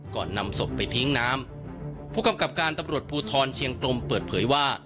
นำศพไปทิ้งน้ำผู้กำกับการตำรวจภูทรเชียงกลมเปิดเผยว่า